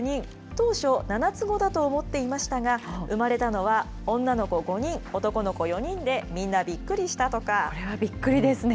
当初、７つ子だと思っていましたが、生まれたのは女の子５人、男の子４人で、そりゃびっくりですね。